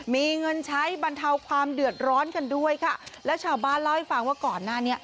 มีเงินใช้บรรเทาความเดือดร้อนกันด้วยค่ะแล้วชาวบ้านเล่าให้ฟังว่าก่อนหน้านี้